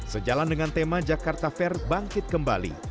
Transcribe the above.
sejalan dengan tema jakarta fair bangkit kembali